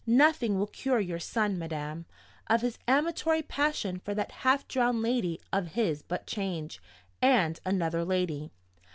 'Nothing will cure your son, madam, of his amatory passion for that half drowned lady of his but change and another lady.